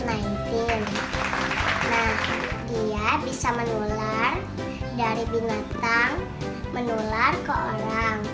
nah dia bisa menular dari binatang menular ke orang